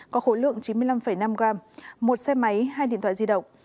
có khối lượng chín mươi năm năm gram một xe máy hai điện thoại di động